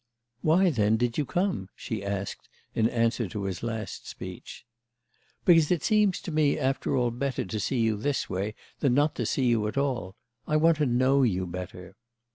"Why, then, did you come?" she asked in answer to his last speech. "Because it seems to me after all better to see you this way than not to see you at all. I want to know you better."